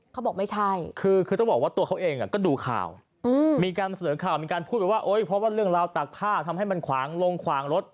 เขาบอกไม่ใช่คือต้องบอกว่าตัวเขาเองก็ดูข่าวมีการเสนอข่าวมีการพูดไปว่าโอ๊ยเพราะว่าเรื่องราวตักผ้าทำให้มันขวางลงขวางรถ